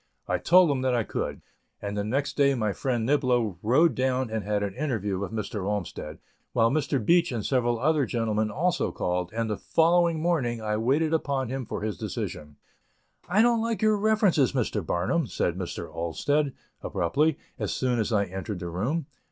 I told him that I could, and the next day my friend Niblo rode down and had an interview with Mr. Olmsted, while Mr. Beach and several other gentlemen also called, and the following morning I waited upon him for his decision. "I don't like your references, Mr. Barnum," said Mr. Olmsted, abruptly, as soon as I entered the room.